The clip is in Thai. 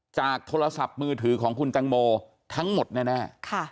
โทรศัพท์มือถือของคุณตังโมทั้งหมดแน่